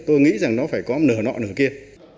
tôi nghĩ rằng nó phải có nở nọ nửa kia